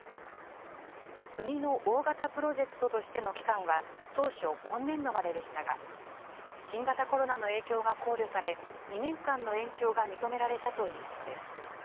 国の大型プロジェクトとしての期間は、当初今年度まででしたが、新型コロナの影響が考慮され、２年間の延長が認められたということです。